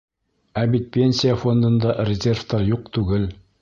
Ә бит Пенсия фондында резервтар юҡ түгел.